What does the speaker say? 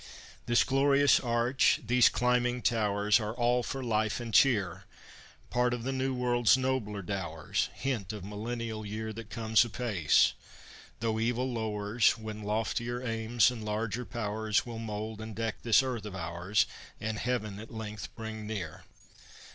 This glorious arch, these climbing towers, Are all for life and cheer! Part of the New World's nobler dowers; Hint of millennial year That comes apace, though evil lowers, When loftier aims and larger powers Will mould and deck this earth of ours, And heaven at length bring near!